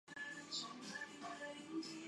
格拉摩根地区最初是以农牧业为主的地区。